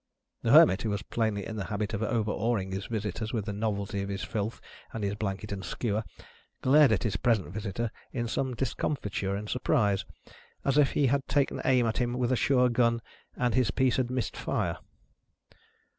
The Hermit, who was plainly in the habit of overawing his visitors with the novelty of his filth and his blanket and skewer, glared at his present visitor in some discomfiture and surprise: as if he had taken aim at him with a sure gun, and his piece had missed fire.